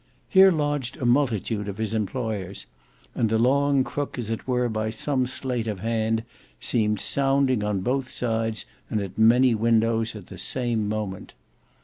Here lodged a multitude of his employers; and the long crook as it were by some sleight of hand seemed sounding on both sides and at many windows at the same moment.